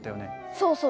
そうそう。